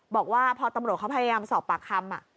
บอกว่าพอตำรวจเขาพยายามสอบปากคำ